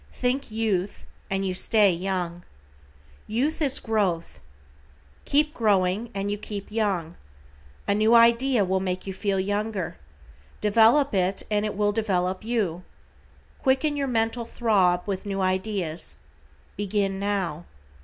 THINK YOUTH AND YOU STAY YOUNG. =YOUTH IS GROWTH:= Keep growing and you keep young. A new idea will make you feel younger. Develop it and it will develop you. Quicken your mental throb with new ideas. Begin now.